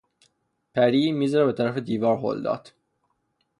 پری میز را به طرف دیوار هل داد.